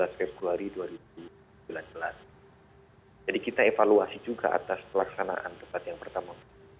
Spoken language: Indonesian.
jadi kita evaluasi juga atas pelaksanaan debat yang pertama